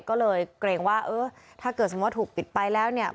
ก็เลยเกรงว่าถ้าเกิดสมมติถูกปิดไปแล้ว